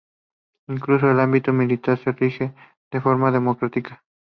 Incluso el ámbito militar se rige de forma democrática.